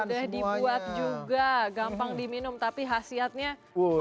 mudah dibuat juga gampang diminum tapi hasilnya mantul